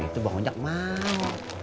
itu bangunan mau